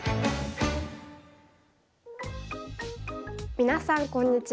皆さんこんにちは。